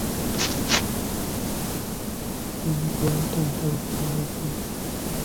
Olunaku lwa bataata lukuzibwa ddi?